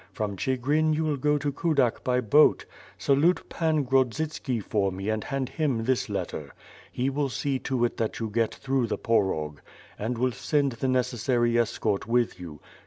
From Chigrin you will go to Kudak by boat. Salute Pan Grodzitski for me and hand him this letter. He will see to it that you get through the Porog and will send the necessary escort with you.